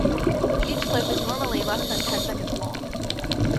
Each clip is normally less than ten seconds long.